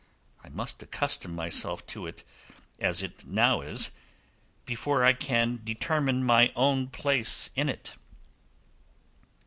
I must accustom myself to view it as it now is, before I can determine my own place in it."